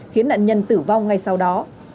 khiến nạn nhân tử vong ngay sau đó